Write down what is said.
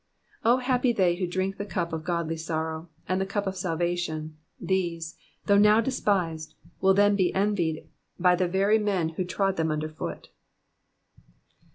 Oh happy they who drink the cup of godly sorrow, and the cup of salvation ; these, though now despised, will then be envied by the very men who trod them under foot.